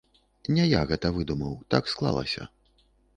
Не я гэта выдумаў, так склалася.